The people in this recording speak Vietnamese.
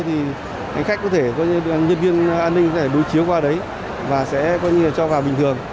thì khách có thể nhân viên an ninh có thể đối chiếu qua đấy và sẽ cho vào bình thường